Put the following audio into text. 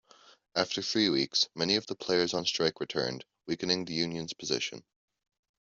After three weeks, many of the players on strike returned, weakening the union's position.